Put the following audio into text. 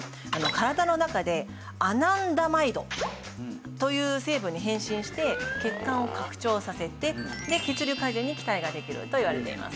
体の中でアナンダマイドという成分に変身して血管を拡張させて血流改善に期待ができるといわれています。